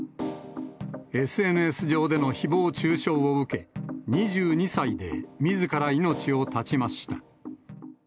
ＳＮＳ上でのひぼう中傷を受け、２２歳でみずから命を絶ちました。